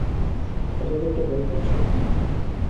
এটা কি একটা ভয় পাওয়ার স্বপ্ন?